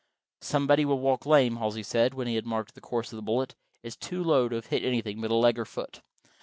"Somebody will walk lame," Halsey said, when he had marked the course of the bullet. "It's too low to have hit anything but a leg or foot."